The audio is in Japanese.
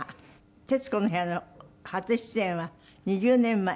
『徹子の部屋』の初出演は２０年前。